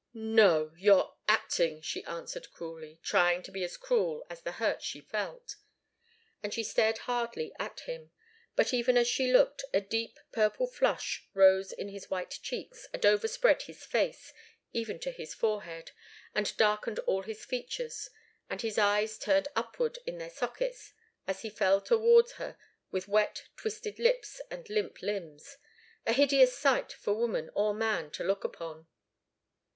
"No you're acting," she answered, cruelly trying to be as cruel as the hurt she felt. And she stared hardly at him. But even as she looked, a deep, purple flush rose in his white cheeks, and overspread his face, even to his forehead, and darkened all his features. And his eyes turned upwards in their sockets, as he fell forward against her, with wet, twisted lips and limp limbs a hideous sight for woman or man to look upon.